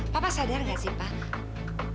papa sadar nggak sih pak